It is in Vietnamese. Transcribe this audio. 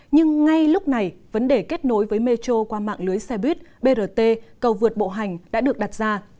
nhưng ngay lúc này vấn đề kết nối với metro qua mạng lưới xe buýt brt cầu vượt bộ hành đã được đặt ra